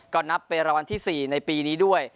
ก็นับเป็นรางวัลที่๔ในปีนี้ด้วย